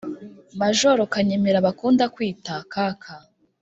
majoro kanyemera bakunda kwita kaka: